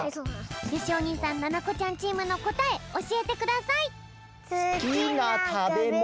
よしお兄さんななこちゃんチームのこたえおしえてください！